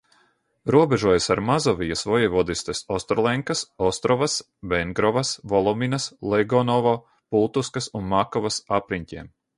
Robežojas ar Mazovijas vojevodistes Ostrolenkas, Ostrovas, Vengrovas, Volominas, Legonovo, Pultuskas un Makovas apriņķiem.